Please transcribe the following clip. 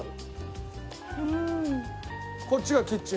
こっちがキッチン。